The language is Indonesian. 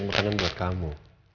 makanan buat kamu